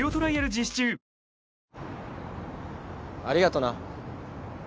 ありがとな。